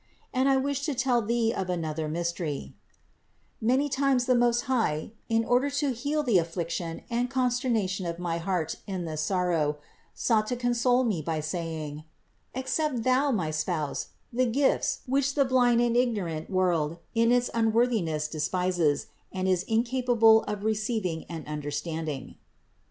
And I wish to tell thee of another mystery: many times the Most High in order to heal the affliction and consternation of my heart in this sorrow, sought to console me by saying : "Accept Thou, my Spouse, the gifts, which the blind and ignorant world in its unworthiness despises and is incapable of receiving and understanding."